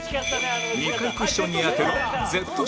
２回クッションに当てる Ｚ ショット